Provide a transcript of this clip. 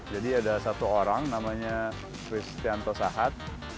jadi ada satu orang namanya cristianto sahara